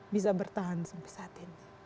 bisa bertahan sebesar ini